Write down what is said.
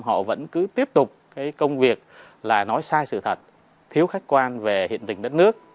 họ vẫn cứ tiếp tục cái công việc là nói sai sự thật thiếu khách quan về hiện tình đất nước